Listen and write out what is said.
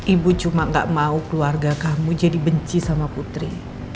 ibu cuma gak mau keluarga kamu jadi benci sama putri